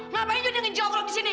ngapain juga dia ngejogrok disini